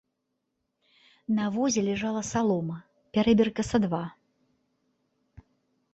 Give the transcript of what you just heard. На возе ляжала салома, пярэбірка са два.